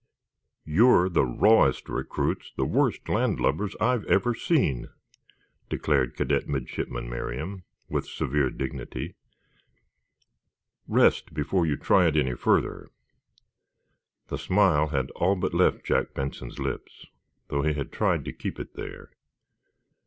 "You're the rawest recruits, the worst landlubbers I've ever seen," declared Cadet Midshipman Merriam, with severe dignity. "Rest, before you try it any further." The smile had all but left Jack Benson's lips, though he tried to keep it there.